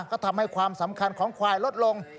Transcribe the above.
ก็ทำให้ความสำคัญของควายลดลง